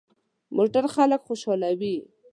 موټر خلک خوشحالوي.